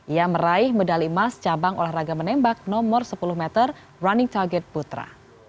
ia meraih medali emas cabang olahraga menembak nomor sepuluh meter running target putra